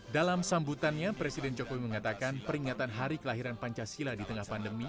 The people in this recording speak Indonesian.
dalam sambutannya presiden jokowi mengatakan peringatan hari kelahiran pancasila di tengah pandemi